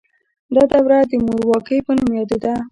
دا دوره د مورواکۍ په نوم یادیده.